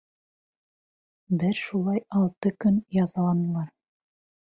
Бер шулай алты көн язаланылар.